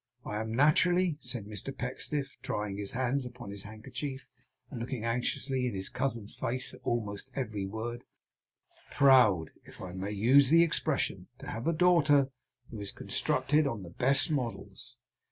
I am naturally,' said Mr Pecksniff, drying his hands upon his handkerchief, and looking anxiously in his cousin's face at almost every word, 'proud, if I may use the expression, to have a daughter who is constructed on the best models.